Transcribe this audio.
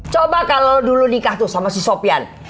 coba kalau lo dulu nikah tuh sama si sopyan